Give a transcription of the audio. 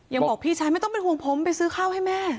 บอกพี่ชายไม่ต้องเป็นห่วงผมไปซื้อข้าวให้แม่